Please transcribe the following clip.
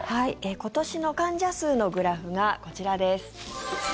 今年の患者数のグラフがこちらです。